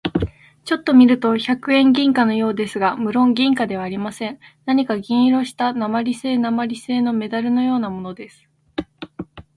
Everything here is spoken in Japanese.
ちょっと見ると百円銀貨のようですが、むろん銀貨ではありません。何か銀色をした鉛製なまりせいのメダルのようなものです。